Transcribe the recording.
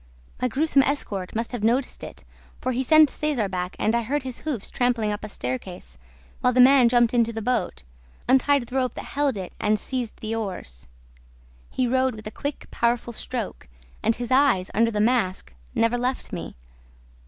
My gruesome escort must have noticed it, for he sent Cesar back and I heard his hoofs trampling up a staircase while the man jumped into the boat, untied the rope that held it and seized the oars. He rowed with a quick, powerful stroke; and his eyes, under the mask, never left me.